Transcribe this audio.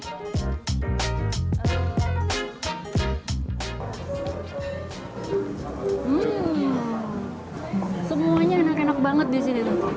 hmmmm semuanya enak enak banget disini